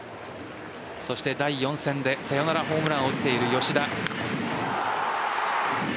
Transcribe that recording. そして第４戦でサヨナラホームランを打っている吉田。